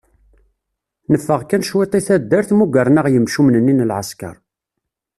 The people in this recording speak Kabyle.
Neffeɣ kan cwiṭ i taddart mmugren-aɣ yimcumen-nni n lɛesker.